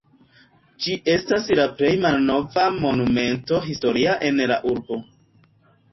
Ĝi estas la plej malnova Monumento historia en la urbo.